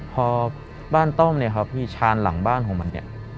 พอบ้านต้อมชานหลังบ้านของมัน